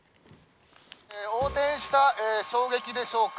横転した衝撃でしょうか？